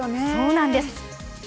そうなんです。